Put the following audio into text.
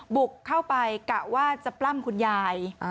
บุกเข้าไปกะว่าจะปล้ำคุณยาย